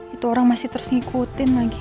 itu orang masih terus ngikutin lagi